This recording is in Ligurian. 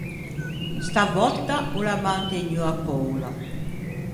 Sta vòtta o l’à mantegnuo a poula.